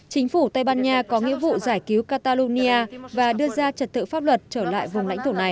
chính phủ tây ban nha có nghĩa vụ giải cứu catalonia và đưa ra trật tự pháp luật trở lại vùng lãnh thổ này